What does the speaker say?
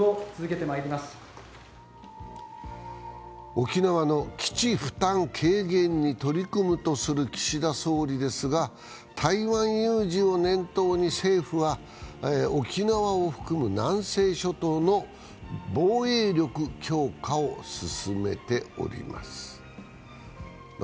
沖縄の基地負担軽減に取り組むとする岸田総理ですが、台湾有事を念頭に政府は、沖縄を含む南西諸島の防衛力強化を進めております。